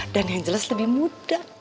dan yang jelas lebih muda